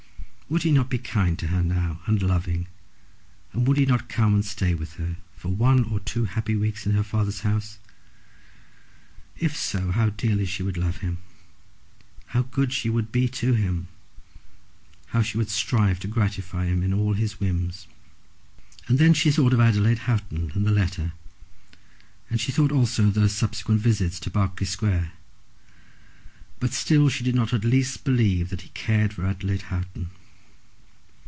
Would he not be kind to her now, and loving, and would he not come and stay with her for one or two happy weeks in her father's house? If so, how dearly she would love him; how good she would be to him; how she would strive to gratify him in all his whims! Then she thought of Adelaide Houghton and the letter; and she thought also of those subsequent visits to Berkeley Square. But still she did not in the least believe that he cared for Adelaide Houghton.